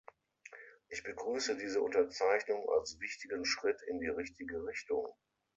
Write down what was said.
Ich begrüße diese Unterzeichnung als wichtigen Schritt in die richtige Richtung.